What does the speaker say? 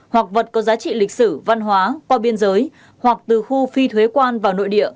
hoặc vật có giá trị lịch sử văn hóa qua biên giới hoặc từ khu phi thuế quan vào nội địa